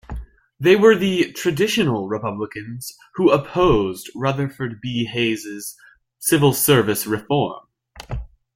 They were the "traditional" Republicans who opposed Rutherford B. Hayes's civil service reform.